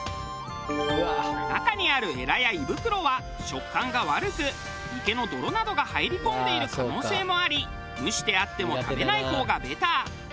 中にあるエラや胃袋は食感が悪く池の泥などが入り込んでいる可能性もあり蒸してあっても食べない方がベター。